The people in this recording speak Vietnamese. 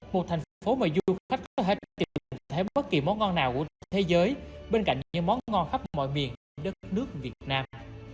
một thành phố mà du khách có thể tìm thấy bất kỳ món ngon nào của thế giới bên cạnh những món ngon khắp mọi miền đất nước việt nam